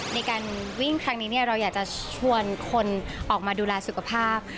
ในการวิ่งครั้งนี้เราอยากจะชวนคนออกมาดูแลสุขภาพ